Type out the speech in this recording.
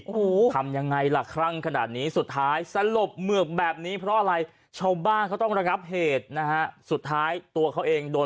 โอ้โหทำยังไงล่ะคลั่งขนาดนี้สุดท้ายสลบเหมือบแบบนี้เพราะอะไรชาวบ้านเขาต้องระงับเหตุนะฮะสุดท้ายตัวเขาเองโดน